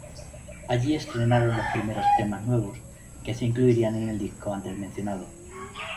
Allí estrenaron los primeros temas nuevos que se incluirían en el disco antes mencionado.